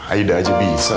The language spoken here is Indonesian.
aida aja bisa sih